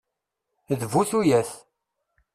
D bu tuyat!